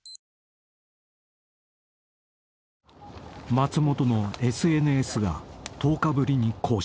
［松本のＳＮＳが１０日ぶりに更新］